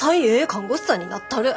看護師さんになったる。